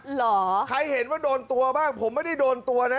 เหรอใครเห็นว่าโดนตัวบ้างผมไม่ได้โดนตัวนะ